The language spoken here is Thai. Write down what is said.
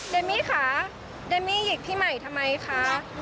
เมมี่คะเดมมี่หยิกพี่ใหม่ทำไมคะ